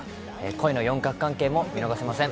恋の四角関係も見逃せません。